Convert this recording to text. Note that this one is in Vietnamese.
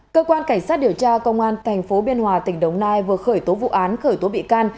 cơ quan cảnh sát điều tra công an tp biên hòa tỉnh đồng nai vừa khởi tố vụ án khởi tố bị can